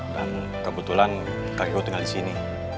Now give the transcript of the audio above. dan kebetulan kakiku tinggal disini